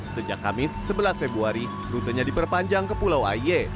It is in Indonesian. sejak kamis sebelas februari rutenya diperpanjang ke pulau aie